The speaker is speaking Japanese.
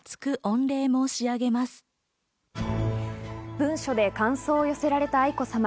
文書で感想を寄せられた愛子さま。